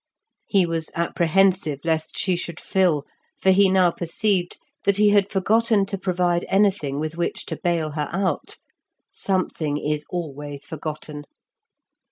He was apprehensive lest she should fill, for he now perceived that he had forgotten to provide anything with which to bale her out. Something is always forgotten.